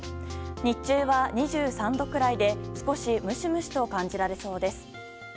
日中は２３度くらいで少しムシムシと感じられそうです。